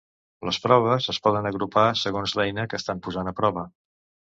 Les proves es poden agrupar segons l'"eina" que estan posant a prova.